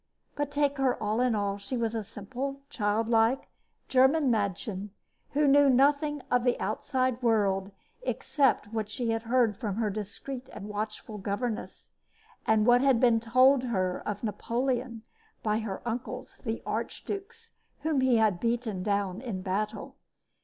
But take her all in all, she was a simple, childlike, German madchen who knew nothing of the outside world except what she had heard from her discreet and watchful governess, and what had been told her of Napoleon by her uncles, the archdukes whom he had beaten down in battle.